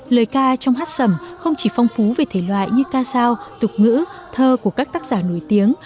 lời ca trong hát sẩm không chỉ phong phú về thể loại như ca giao tục ngữ thơ của các tác giả nổi tiếng